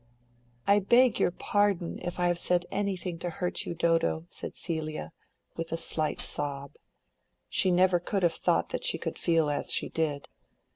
"I beg your pardon, if I have said anything to hurt you, Dodo," said Celia, with a slight sob. She never could have thought that she should feel as she did.